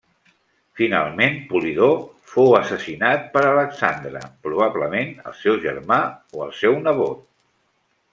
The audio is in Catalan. Finalment Polidor fou assassinat per Alexandre, probablement el seu germà o el seu nebot.